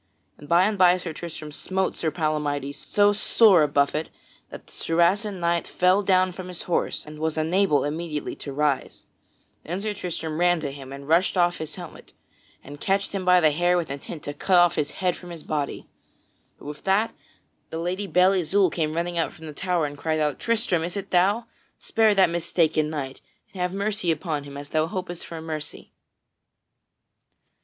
Then by and by Sir Tristram smote Sir Palamydes so sore a buffet that the Saracen knight fell down from his horse and was unable immediately to arise. Then Sir Tristram ran to him and rushed off his helmet and catched him by the hair with intent to cut his head from off his body. But with that the Lady Belle Isoult came running from out the tower and cried out: "Tristram, is it thou? Spare that mistaken knight and have mercy upon him as thou hopest for mercy."